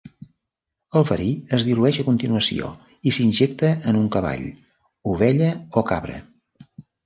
El verí es dilueix a continuació i s'injecta en un cavall, ovella o cabra.